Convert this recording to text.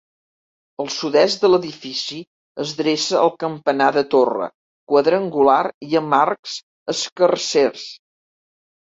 Al sud-est de l'edifici es dreça el campanar de torre, quadrangular i amb arcs escarsers.